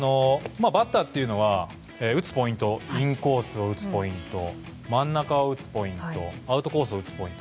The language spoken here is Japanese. バッターはインコースを打つポイント真ん中を打つポイントアウトコースを打つポイント。